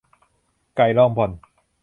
ไก่รองบ่อน